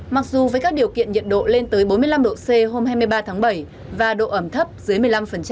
mặc dù với các điều kiện nhiệt độ lên tới bốn mươi năm độ c hôm hai mươi ba tháng bảy và độ ẩm thấp dưới một mươi năm